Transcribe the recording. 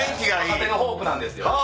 若手のホープなんですよ。